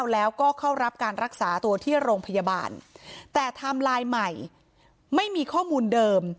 แล้วก็เข้ารับการรักษาตัวที่โรงพยาบาลแต่ไทม์ไลน์ใหม่ไม่มีข้อมูลเดิม